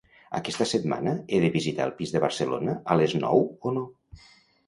Aquesta setmana he de visitar el pis de Barcelona a les nou o no?